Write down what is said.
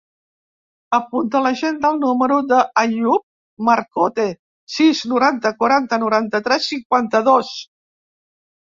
Apunta a l'agenda el número de l'Àyoub Marcote: sis, noranta, quaranta, noranta-tres, cinquanta-dos.